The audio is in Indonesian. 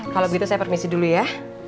kalau begitu saya permisi dulu ya